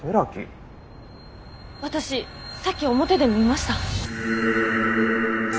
私さっき表で見ました。